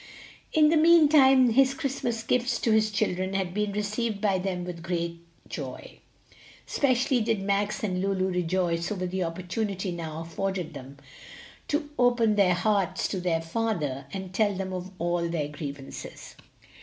In the mean time his Christmas gifts to his children had been received by them with great joy. Especially did Max and Lulu rejoice over the opportunity now afforded them to open their hearts to their father and tell him all their grievances.